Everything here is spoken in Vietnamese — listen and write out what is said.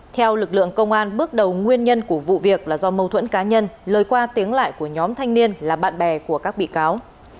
theo lực lượng công an bước đầu nguyên nhân của vụ việc là do mâu thuẫn cá nhân lời qua tiếng lại của nhóm thanh niên là bạn bè của các bị cáo